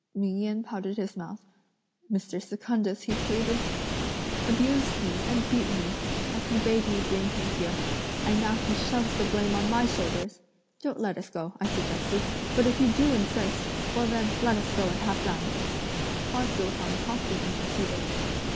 Ming Yen pouted his mouth. "Mr. Secundus," he pleaded, "abused me and beat me, as he bade me bring him here, and now he shoves the blame on my shoulders! 'Don't let us go,' I suggested; 'but if you do insist, well then let us go and have done.'" Hua Tzu fang promptly interceded.